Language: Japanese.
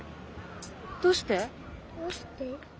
どうして？